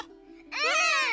うん！